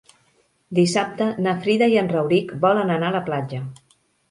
Dissabte na Frida i en Rauric volen anar a la platja.